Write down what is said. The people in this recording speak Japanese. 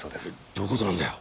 どういう事なんだよ！？